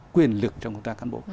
quyền lực trong công tác căn bộ